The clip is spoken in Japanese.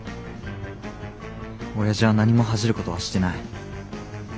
親父は何も恥じることはしてない。